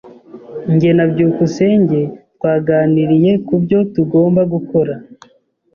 Jye na byukusenge twaganiriye ku byo tugomba gukora.